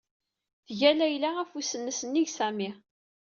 Tga Layla afus nns nnig Sami.